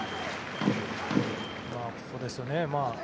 ここですよね。